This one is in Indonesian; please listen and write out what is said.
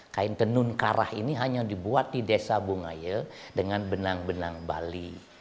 kain tenun karah ini hanya dibuat di desa bungaya dengan benang benang bali